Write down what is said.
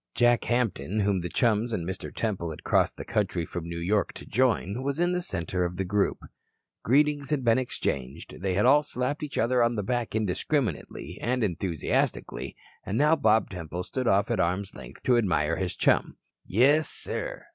Jack Hampton, whom the chums and Mr. Temple had crossed the country from New York to join, was in the center of the group. Greetings had been exchanged, they had all slapped each other on the back indiscriminately and enthusiastically, and now Bob Temple stood off at arm's length to admire his chum. "Yes, sir.